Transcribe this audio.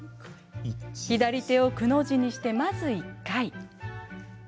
左手をくの字にして、まず１回。